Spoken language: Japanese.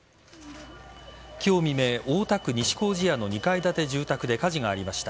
今日未明大田区西糀谷の２階建て住宅で火事がありました。